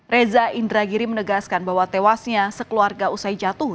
reza indragiri menegaskan bahwa tewasnya sekeluarga usai jatuh